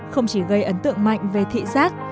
không chỉ gây ấn tượng mạnh về thị giác